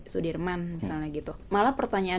sudirman misalnya gitu malah pertanyaan